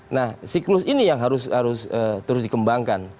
nah siklus ini yang harus terus dikembangkan